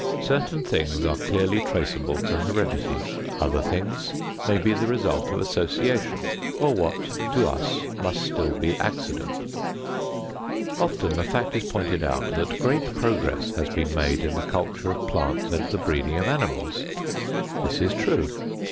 Certain things are clearly traceable to heredity. Other things may be the result of association or what to us must still be accident. Often the fact is pointed out that great progress has been made in the culture of plants and the breeding of animals. This is true.